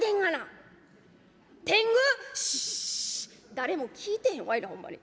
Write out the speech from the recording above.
「誰も聞いてへんわいなホンマに」。